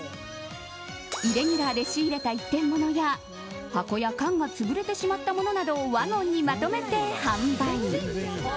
イレギュラーで仕入れた一点ものや箱や缶が潰れてしまったものなどをワゴンにまとめて販売。